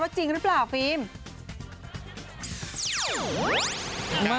ว่าจริงหรือเปล่าฟีลม